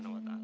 itu allah swt